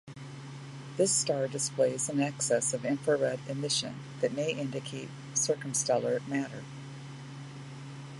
This star displays an excess of infrared emission that may indicate circumstellar matter.